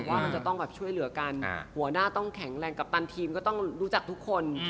ว่ามันจะต้องแบบช่วยเหลือกันหัวหน้าต้องแข็งแรงกัปตันทีมก็ต้องรู้จักทุกคน